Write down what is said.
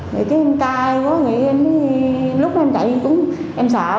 rồi cái em cay quá lúc đó em chạy cũng em sợ